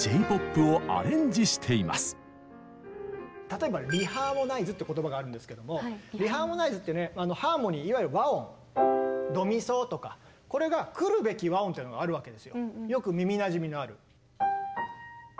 例えばリハーモナイズって言葉があるんですけどもリハーモナイズってねハーモニーいわゆる和音ドミソとかこれが来るべき和音ってのがあるわけですよよく耳なじみのある。